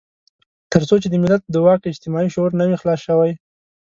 تر څو چې د ملت د واک اجتماعي شعور نه وي خلاص شوی.